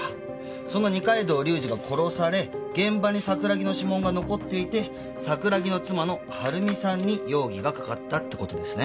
その二階堂隆二が殺され現場に桜木の指紋が残っていて桜木の妻の春美さんに容疑がかかったって事ですね。